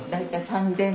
３，０００。